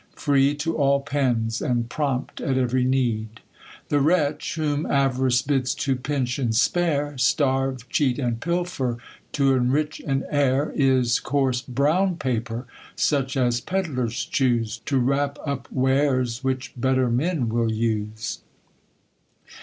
Free to all pens, and prompt at ev'ry need. The wretch, whom av'rice bids to pinch and spare, Starve, cheat, and pilfer, to enrich an heir, Is coarse brown paper, such as pedlars choose To wrap up wares, which better men will use.